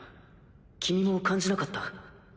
君も感じなかった？